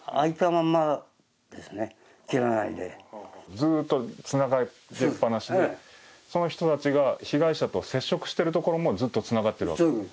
ずーっとつながりっぱなしで、その人たちが被害者と接触してるところもずっとつながってるわけですか。